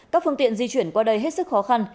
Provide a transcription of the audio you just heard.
các phương tiện di chuyển qua đây hết sức khó khăn